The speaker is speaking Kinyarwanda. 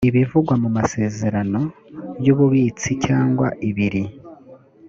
ibivugwa mu masezerano y ububitsi cyangwa ibiri